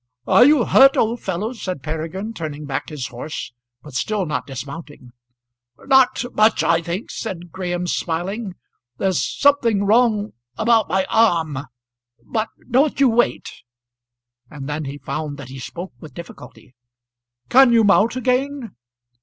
"Are you hurt, old fellow?" said Peregrine, turning back his horse, but still not dismounting. "Not much, I think," said Graham, smiling. "There's something wrong about my arm, but don't you wait." And then he found that he spoke with difficulty. "Can you mount again?"